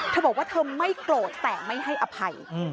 เธอบอกว่าเธอไม่โกรธแต่ไม่ให้อภัย